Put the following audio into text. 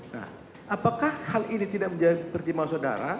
nah apakah hal ini tidak menjadi pertimbangan saudara